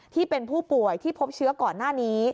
ที่เป็นผู้ป่วยที่พบเชื้อก่อนหน้านี้